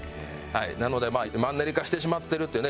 なのでマンネリ化してしまってるってね